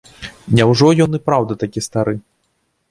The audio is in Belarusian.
Няўжо ён і праўда такі стары?